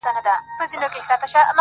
له خپل ایمان له خپل وجدانه ګوښه -